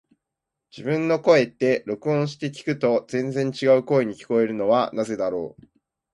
自分の声って、録音して聞くと全然違う声に聞こえるのはなぜだろう。